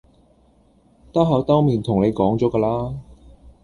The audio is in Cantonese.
兜口兜面同你講咗㗎啦